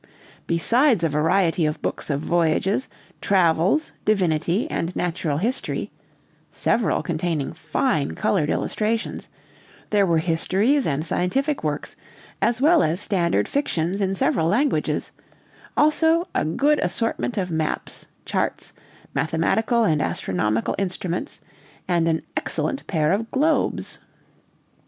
Besides a variety of books of voyages, travels, divinity, and natural history (several containing fine colored illustrations), there were histories and scientific works, as well as standard fictions in several languages; also a good assortment of maps, charts, mathematical and astronomical instruments, and an excellent pair of globes.